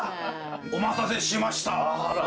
お待たせしました！